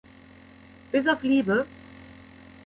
Bis auf "Liebe?